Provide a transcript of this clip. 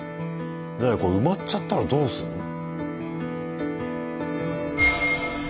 これ埋まっちゃったらどうするの？